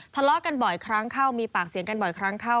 ทะเลาะกันบ่อยครั้งเข้ามีปากเสียงกันบ่อยครั้งเข้า